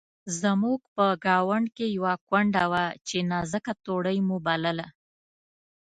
زموږ په ګاونډ کې یوه کونډه وه چې نازکه توړۍ مو بلله.